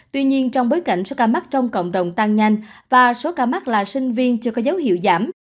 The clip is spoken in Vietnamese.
tuy nhiên trong bối cảnh số ca mắc trong cộng đồng tăng nhanh và số ca mắc là sinh viên chưa có dấu hiệu giảm